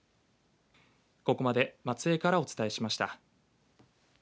ここまで松江からお伝えしました。